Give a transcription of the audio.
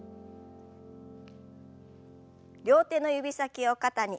両手の指先を肩に。